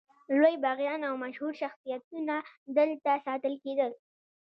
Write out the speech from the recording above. لوی باغیان او مشهور شخصیتونه دلته ساتل کېدل.